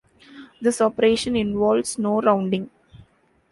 This operation involves no rounding.